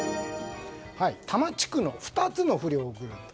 多摩地区の２つの不良グループ。